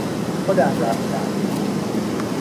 خودم رفتم.